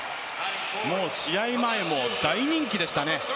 試合前も大人気でしたね